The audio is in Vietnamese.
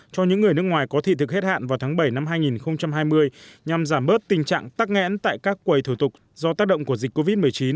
cho những người nước ngoài có thị thực hết hạn vào tháng bảy năm hai nghìn hai mươi nhằm giảm bớt tình trạng tắc nghẽn tại các quầy thủ tục do tác động của dịch covid một mươi chín